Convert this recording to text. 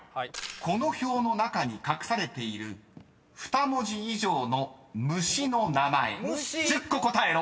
［この表の中に隠されている２文字以上の虫の名前１０個答えろ］